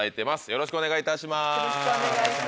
よろしくお願いします。